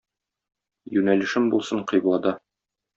Юнәлешем булсын кыйблада.